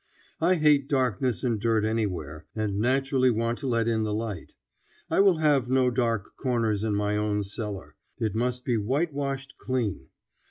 I hate darkness and dirt anywhere, and naturally want to let in the light. I will have no dark corners in my own cellar; it must be whitewashed clean.